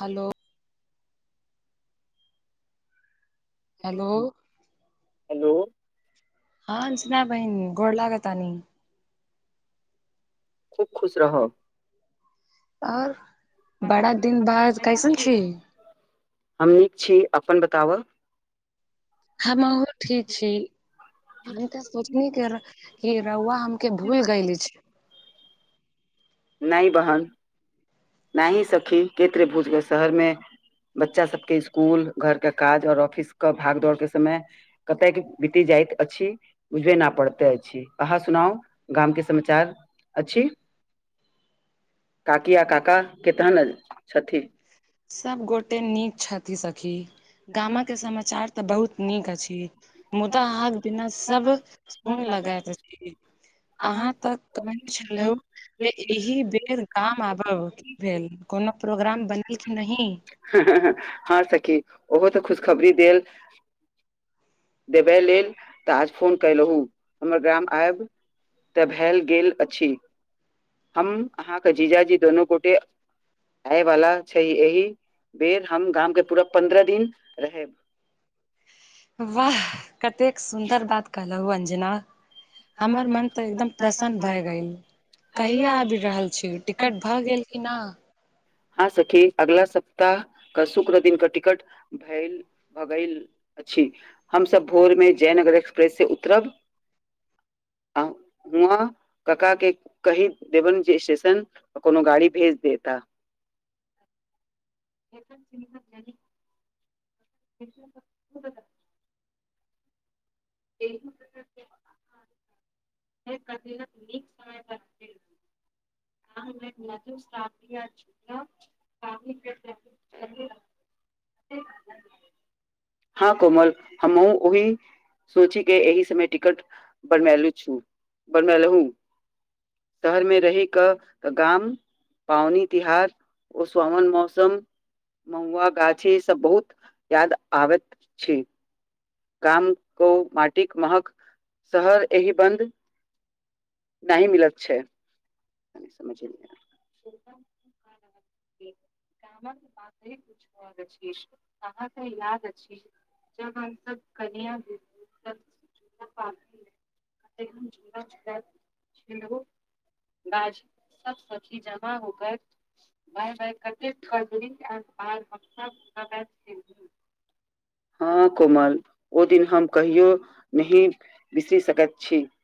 Hello. Hello hello हँ अंजना बहिन गोर लागतानी। खूब खुश रहब आह बड़ा दिन बाद कैसन छी। हम नीक छी अपन बताबऽ। हम हुं ठीक छी हम तऽ सोचनी कि रौआ रौआ हम। की भूल गइली छिई। नैय बहन नैय ही सखी कैत्रे भूलबे शहरमे। बच्चा सबके स्कूल घर के काज और ऑफिस के भाग दौड़ के समय। कतय के बीति जाइत अछि बुझबे न पड़ते अछि अहाँ सुनाउ। गाम के समाचार अछि। काकि आ काका केतनल छथि। सब गोटे नीक छथि सखी गामा के समाच समाचारतऽ बहुत नीक अछि। मुदा आहाँबिना सब सुन लगैत अछि। आ र। अहाँ तऽ कहै [unintelligible] काम आबोऽ भेल कोनो प्रोग्राम बनबि कि नहि। हहह सखी ओहो तऽ खुशखबरी देल। देबय लेल तऽ आज फोन कयलहुँ हमर ग्राम आयब। तऽ भेल गेल अछि हम अहाँके जीजाजी दुनू गोटे। आय वाला छैय एहि बेर हम गाम के पूरा पन्द्रह दिन रहेब। वाह कतेक सुन्दर बात कहलउ अंजाना। हमर मन तऽ एकदम प्रसन्न भगइल। कहिया आबि रहल छिई टिकट भऽ गेल की न। हँ सखी अगला सप्ताह क शुक्र दिन क टिकट भेइल भ गइल। अछि हम सब भोर मे जयनगर एक्सप्रेस से उतरब आऊ माकाका के कहि दैवेन जे स्टेशन कोनो गाड़ी भेज देता। [unintelligible] [inaudible] [inaudible] [inaudible] हँ कोमल हमहु ओहि सोची के एहि समय टिकट बनबेलुछु बनबैलुहु। शहरमे रहि कऽ गाम। पावनी तिहार ओ सुहावनामौसम। महुआ गाछी सब बहुत याद आबैत छिई। गाम कऔ मटिक महक शहर एहि बन्द नहि मिलत छैय। कनी समझ नैय आय। गामक बातें कुछ ओर अछी अहाँके याद अछि। जखन सब कनिया [inaudible] ऐहन जिन्दा छलाह छिन्द ओ। गाछ सब सखी जमा होकर। भााय भाय कतेक की बर हमसभसदैब छि [unintelligible] हँ कोमल ओ दिन हम कहियो नहि बिसरि सकैत छी